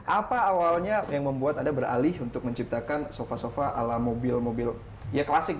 apa awalnya yang membuat anda beralih untuk menciptakan sofa sofa ala mobil mobil ya klasik